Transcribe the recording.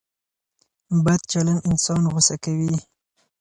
بد چلند انسان غوسه کوي.